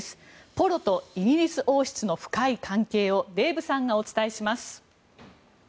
ポロとイギリス王室の深い関係をデーブさんがお伝えします。